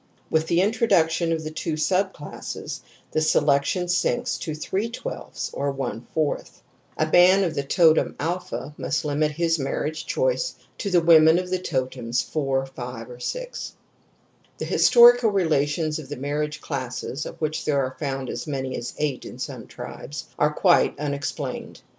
With the introduction of the two subclassess the selection sinks to fV or J ; a man of the totem " must limit his marriage choice to a woman of the totems 4, 6, 6. The historical relations of the marriage classes —of which there are found as many as eight in some tribes — ^are quite unexplained.